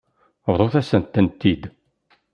Bḍut-asen-tent-id.